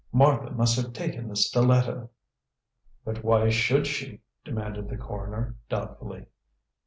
Martha must have taken the stiletto." "But why should she?" demanded the coroner, doubtfully.